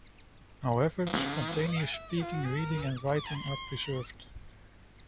However, spontaneous speaking, reading, and writing are preserved.